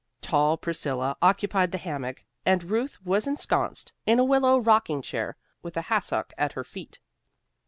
Tall Priscilla occupied the hammock, and Ruth was ensconced in a willow rocking chair, with a hassock at her feet.